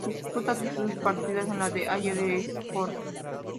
Disputa sus partidos en la "Halle des sports".